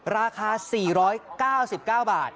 ราคา๔๙๙บาท